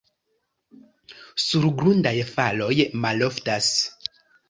Surgrundaj faloj maloftas.